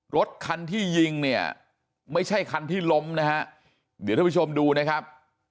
รถคันที่ยิงเนี่ยไม่ใช่คันที่ล้มนะฮะเดี๋ยวท่านผู้ชมดูนะครับ